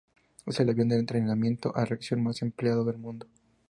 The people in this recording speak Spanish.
Es el avión de entrenamiento a reacción más empleado del mundo.